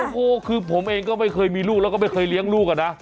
โอ้โหคือผมเองก็ไม่เคยมีลูกแล้วก็ไม่เคยเลี้ยงลูกอะนะ